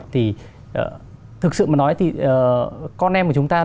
thì thực sự mà nói thì con em của chúng ta